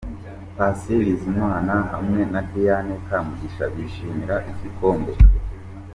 Patient Bizimana hamwe na Diana Kamugisha bishimira igikombe.